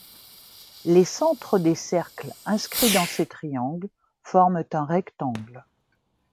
Les centres des cercles inscrits dans ces triangles forment un rectangle.